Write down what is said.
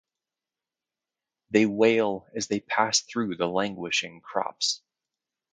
They wail as they pass through the languishing crops.